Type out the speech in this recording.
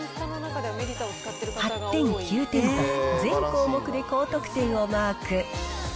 ８点、９点と、全項目で高得点をマーク。